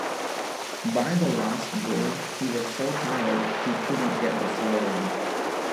By the last bull he was so tired he couldn’t get the sword in.